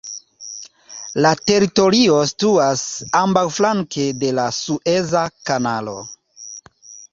La teritorio situas ambaŭflanke de la Sueza Kanalo.